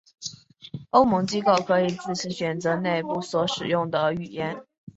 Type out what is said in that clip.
欧盟机构可以自行选择内部所使用的语言。